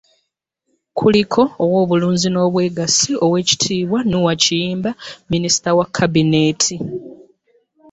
Kuliko ow'obulunzi n'obwegassi, Oweekitiibwa Noah Kiyimba minisita wa Kabineeti,